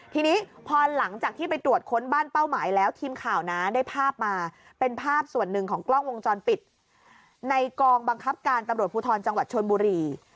ทีนี้พอหลังจากที่ไปตรวจค้นบ้านเป้าหมายแล้วทีมข่าวนะได้ภาพมาเป็นภาพส่วนหนึ่งของกล้องวงจรปิดในกองบังคับการตำรวจภูทรจังหวัดชนบุรี